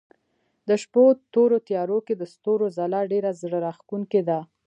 د شپو تورو تيارو کې د ستورو ځلا ډېره زړه راښکونکې ده.